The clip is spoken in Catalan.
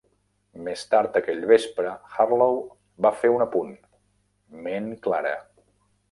Més tard, aquell vespre, Harlow va fer un apunt: ment clara.